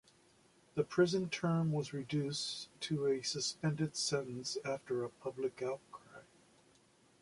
The prison term was reduced to a suspended sentence after a public outcry.